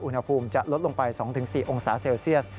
อุณหภูมิจะลดลงไป๒๔องศาเซลเซียส